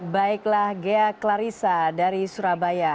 baiklah ghea klarissa dari surabaya